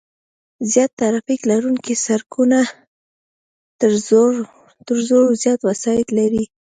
زیات ترافیک لرونکي سرکونه تر زرو زیات وسایط لري